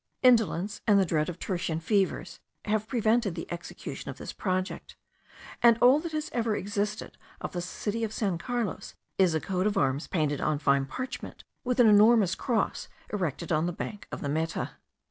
Indolence, and the dread of tertian fevers, have prevented the execution of this project; and all that has ever existed of the city of San Carlos, is a coat of arms painted on fine parchment, with an enormous cross erected on the bank of the Meta.